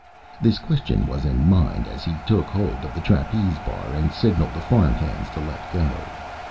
This question was in his Mind as he took hold of the Trapeze Bar and signaled the Farm Hands to let go.